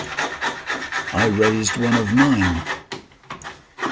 I raised one of mine.